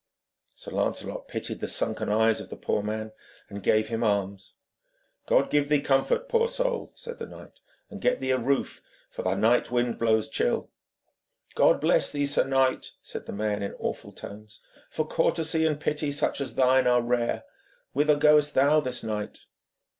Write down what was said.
Sir Lancelot pitied the sunken eyes of the poor man, and gave him alms. 'God give thee comfort, poor soul,' said the knight, 'and get thee a roof, for the night wind blows chill.' 'God bless thee, sir knight,' said the man, in awful tones, 'for courtesy and pity such as thine are rare. Whither goest thou this night?'